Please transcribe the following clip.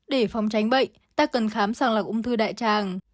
để phòng tránh bệnh ta cần khám sàng lọc ung thư đại tràng